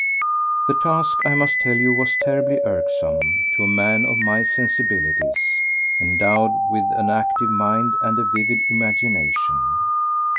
The task, I must tell you, was terribly irksome to a man of my sensibilities, endowed with an active mind and a vivid imagination.